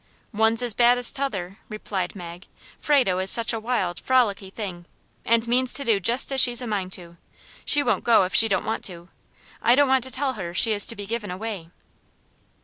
"One's as bad as t'other," replied Mag. "Frado is such a wild, frolicky thing, and means to do jest as she's a mind to; she won't go if she don't want to. I don't want to tell her she is to be given away."